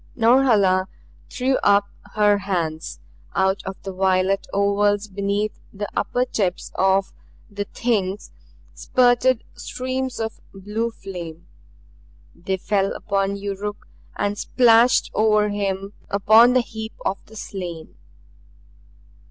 Norhala threw up her hands. Out of the violet ovals beneath the upper tips of the Things spurted streams of blue flame. They fell upon Yuruk and splashed over him upon the heap of the slain.